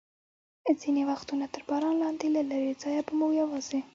ځینې وختونه تر باران لاندې، له لرې ځایه به مو یوازې.